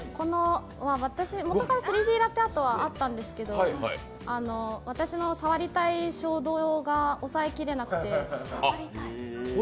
私、もとから３Ｄラテアートはあったんですけど、私の触りたい衝動が抑えきれなくて。